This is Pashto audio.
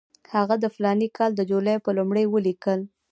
هغه د فلاني کال د جولای پر لومړۍ ولیکل.